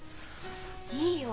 いいよ。